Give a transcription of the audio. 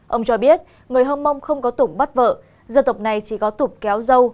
ông cho biết người hồng mông không có tụng bắt vợ dân tộc này chỉ có tụng kéo dâu